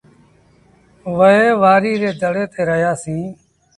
وهي وآريٚ ري ڌڙي تي رهيآ سيٚݩ۔